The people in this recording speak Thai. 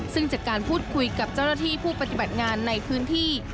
ซึ่งจากการพูดคุยกับเจ้าหน้าที่ผู้ปฏิบัติงานในพื้นที่